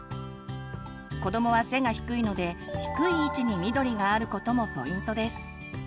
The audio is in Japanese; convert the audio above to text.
子どもは背が低いので低い位置に緑があることもポイントです。